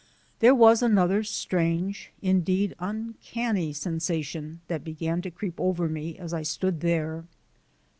There was another strange, indeed uncanny, sensation that began to creep over me as I stood there.